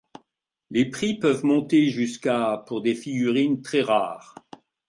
Les prix peuvent monter jusqu'à pour des figurines très rares.